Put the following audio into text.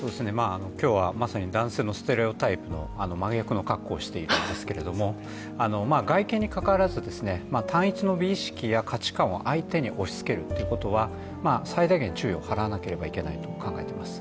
今日はまさに男性のステレオタイプの真逆の格好をしているんですけれども、外見にかかわらず、単一の美意識や価値観を相手に押しつけるということは最大限、注意を払わなければいけないと考えています。